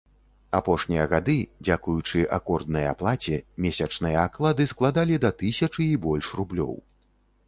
Апошнія гады, дзякуючы акорднай аплаце, месячныя аклады складалі да тысячы і больш рублёў.